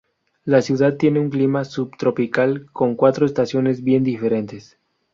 La ciudad tiene un clima subtropical con cuatro estaciones bien diferentes.